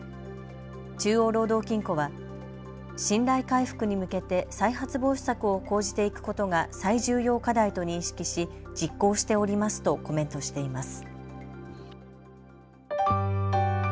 中央労働金庫は信頼回復に向けて再発防止策を講じていくことが最重要課題と認識し実行しておりますとコメントしています。